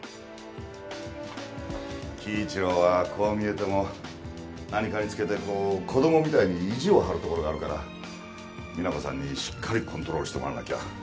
輝一郎はこう見えても何かにつけて子供みたいに意地を張るところがあるから実那子さんにしっかりコントロールしてもらわなきゃ。